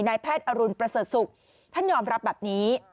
นายแพทย์อรุณประเสริฐศุกร์ท่านยอมรับแบบนี้